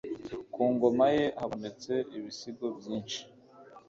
ku ngoma ye habonetse ibisigo byinshi